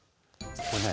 これね